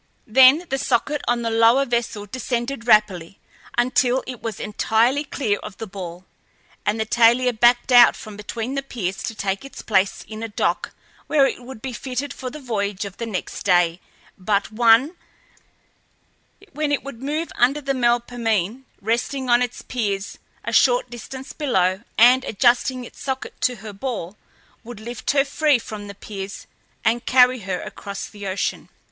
Then the socket on the lower vessel descended rapidly until it was entirely clear of the ball, and the Thalia backed out from between the piers to take its place in a dock where it would be fitted for the voyage of the next day but one, when it would move under the Melpomene, resting on its piers a short distance below, and, adjusting its socket to her ball, would lift her free from the piers and carry her across the ocean.